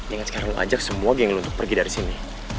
ingat sekarang lo ajak semua geng lo untuk pergi dari sini